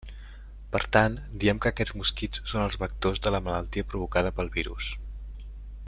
Per tant, diem que aquests mosquits són els vectors de la malaltia provocada pel virus.